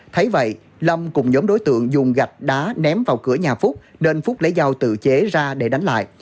thấy vậy lâm cùng nhóm đối tượng dùng gạch đá ném vào cửa nhà phúc nên phúc lấy dao tự chế ra để đánh lại